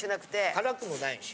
辛くもないし。